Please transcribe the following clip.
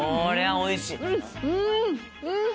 おいしい？